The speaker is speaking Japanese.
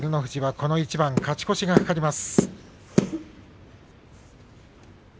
この一番勝ち越しが懸かります。